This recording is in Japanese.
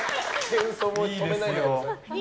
謙遜を止めないでください。